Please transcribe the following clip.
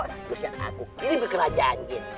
terus aku kirim ke kerajaan jin